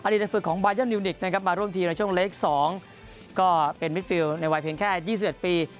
ในฝึกของบายันนิวนิกนะครับมาร่วมทีมในช่วงเล็ก๒ก็เป็นมิดฟิลในวัยเพียงแค่๒๑ปี